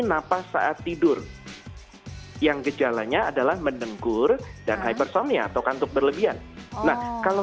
napas saat tidur yang gejalanya adalah mendengkur dan hypersomnia atau kantuk berlebihan nah kalau